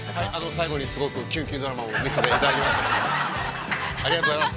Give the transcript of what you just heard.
◆最後にきゅんきゅんドラマを見せていただきましてありがとうございます。